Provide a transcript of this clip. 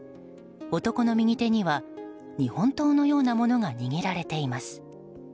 男の右手には日本刀のようなものが握られています。